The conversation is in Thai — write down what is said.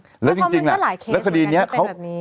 เพราะมันก็หลายเคสเหมือนกันที่เป็นแบบนี้